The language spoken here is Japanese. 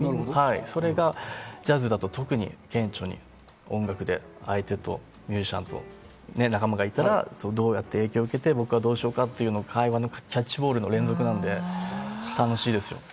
それがジャズだと特に顕著に相手とミュージシャンと仲間がいたら影響を受けて僕はどうしようかっていうキャッチボールの連続なので楽しいですよ。